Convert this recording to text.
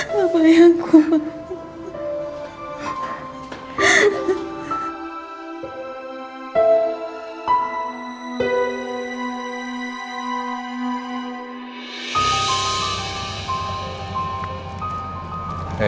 bapak yang kuahui